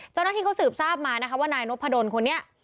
เจ้าหน้าที่เขาสืบทราบมานะคะว่านายนพดลคนนี้